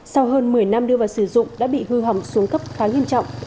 sau hơn một mươi năm đưa vào sử dụng đã bị hư hỏng xuống cấp khá nghiêm trọng